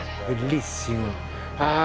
ああ！